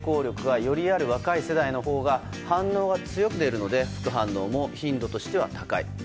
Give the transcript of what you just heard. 松本哲哉主任教授は体力や抵抗力がよりある若い世代のほうが反応が強く出るので副反応も頻度としては高い。